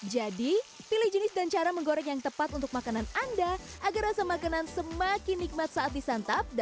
pilih jenis dan cara menggoreng yang tepat untuk makanan anda agar rasa makanan semakin nikmat saat disantap